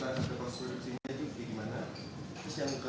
sampai ke pengambilan gasnya